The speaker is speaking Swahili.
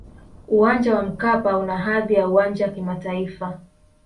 uwanja wa mkapa una hadhi ya uwanja kimataifa